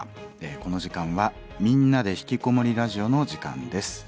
この時間は「みんなでひきこもりラジオ」の時間です。